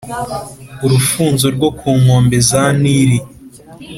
Urufunzo rwo ku nkombe za Nili,